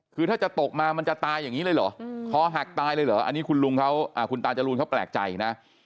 คือถ้าจะตกมามันจะตายอย่างนี้เลยเหรอคอหักตายเลยเหรออันนี้คุณลุงเขาคุณตาจรูนเขาแปลกใจนะ